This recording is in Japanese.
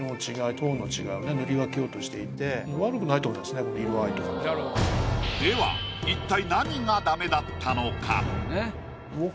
トーンの違いをね塗り分けようとしていて色合いとかでは一体何がダメだったのか？